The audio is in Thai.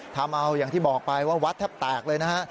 ทำเอาอย่างที่บอกไปว่าวัดแทบแตกเลยนะฮะ